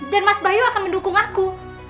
dan mas bayu akan mendukung aku